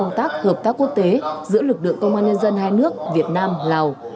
hợp tác hợp tác quốc tế giữa lực lượng công an nhân dân hai nước việt nam lào